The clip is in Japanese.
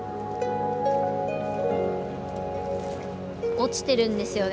落ちてるんですよね